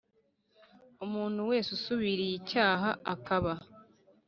Umuntu wese usubiriye icyaha akaba